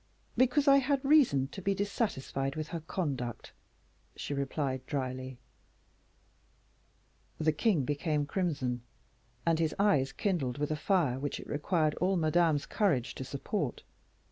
"Because I had reason to be dissatisfied with her conduct," she replied, dryly. The king became crimson, and his eyes kindled with a fire which it required all Madame's courage to support.